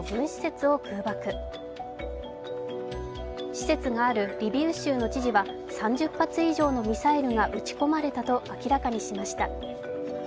施設があるリビウ州の知事は、３０発以上のミサイルが撃ち込まれたと明らかにしました。